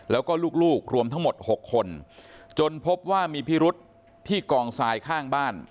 แล้วก็ลูกรวมทั้งหมด๖คนจนพบว่ามีพิรุษที่กองทรายข้างบ้าน